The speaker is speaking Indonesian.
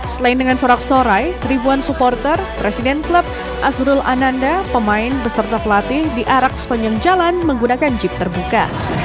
selain dengan sorak sorai ribuan supporter presiden klub azrul ananda pemain beserta pelatih diarak sepanjang jalan menggunakan jeep terbuka